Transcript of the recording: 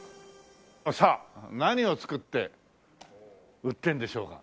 さあ何を作って売ってるんでしょうか。